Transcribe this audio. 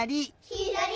ひだり！